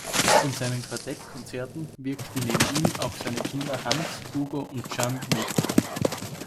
In seinen Quartett-Konzerten wirkten neben ihm auch seine Kinder Hans, Hugo und Jeanne mit.